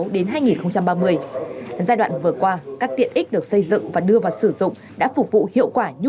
hai nghìn hai mươi sáu đến hai nghìn ba mươi giai đoạn vừa qua các tiện ích được xây dựng và đưa vào sử dụng đã phục vụ hiệu quả